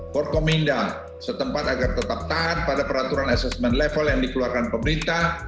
korkomenda setempat agar tetap tahan pada peraturan assessment level yang dikeluarkan pemerintah